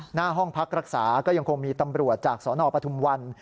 หน้าห้องพักรักษาก็ยังคงมีตำรวจจากสนปทุมวัน